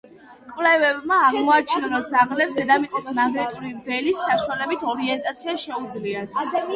კვლევემა აღმოაჩინა, რომ ძაღლებს, დედამიწის მაგნიტური ველის საშუალებით, ორიენტაცია შეუძლიათ.